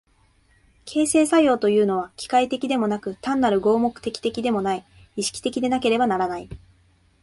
形成作用というのは機械的でもなく単なる合目的的でもない、意識的でなければならない。